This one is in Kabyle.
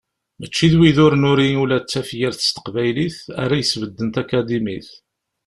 Mačči d wid ur nuri ula d tafyirt s teqbaylit ara yesbedden takadimit.